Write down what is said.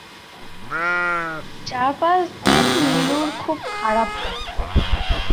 চা-পাঁচদিন নীলুর খুব খারাপ কাটল।